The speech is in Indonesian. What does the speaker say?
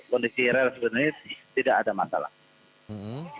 kondisi rel sebenarnya tidak ada masalah